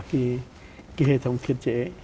cái hệ thống khiến trễ